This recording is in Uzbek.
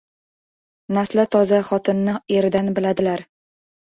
• Nasli toza xotinni eridan biladilar.